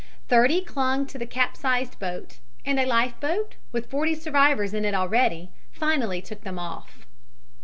Thirty clung to the capsized boat, and a life boat, with forty survivors in it already, finally took them off.